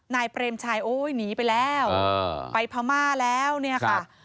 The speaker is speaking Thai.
เปรมชัยโอ้ยหนีไปแล้วไปพม่าแล้วเนี่ยค่ะ